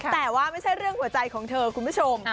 แต่ว่าไม่ใช่เรื่องหัวใจของเธอคุณผู้ชม